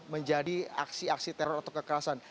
menjadi aksi aksi teror atau kekerasan